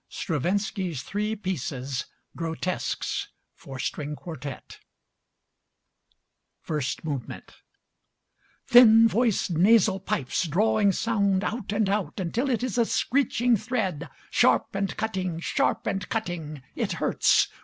Stravinsky's Three Pieces "Grotesques", for String Quartet First Movement Thin voiced, nasal pipes Drawing sound out and out Until it is a screeching thread, Sharp and cutting, sharp and cutting, It hurts.